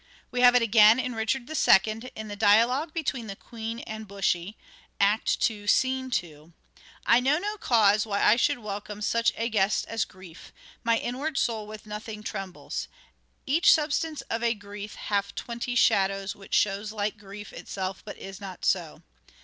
We have it again in " Richard II " in the dialogue between the Queen and Bushy (Act II. 2) :" I know no cause Why I should welcome such a guest as grief. My inward soul with nothing trembles. Each substance of a grief hath twenty shadows Which shows like grief itself but is not so.